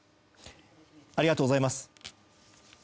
ありがとうございます。